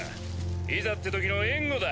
いざってときの援護だ。